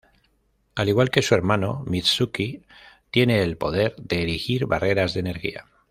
Al igual que su hermano, Mitsuki tiene el poder de erigir barreras de energía.